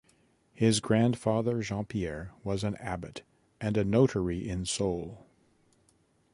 His grandfather Jean-Pierre was an abbot and a notary in Soule.